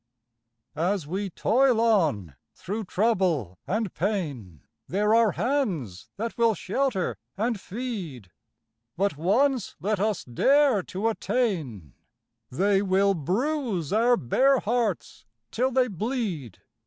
As we toil on, through trouble and pain, There are hands that will shelter and feed; But once let us dare to attain— They will bruise our bare hearts till they bleed.